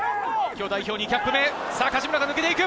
今日、代表２キャップ目。